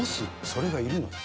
それがいるのよ。